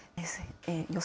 予想